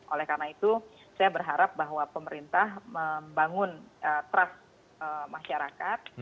oleh karena itu saya berharap bahwa pemerintah membangun trust masyarakat